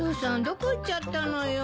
どこ行っちゃったのよ。